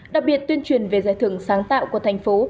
đặc biệt tuyên truyền về giải thưởng sáng tạo của thành phố